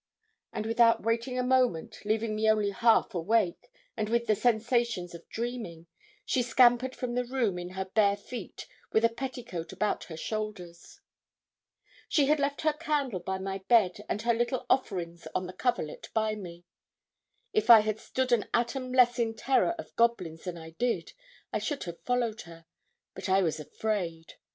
And without waiting a moment, leaving me only half awake, and with the sensations of dreaming, she scampered from the room, in her bare feet, with a petticoat about her shoulders. She had left her candle by my bed, and her little offerings on the coverlet by me. If I had stood an atom less in terror of goblins than I did, I should have followed her, but I was afraid.